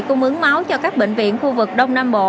cung ứng máu cho các bệnh viện khu vực đông nam bộ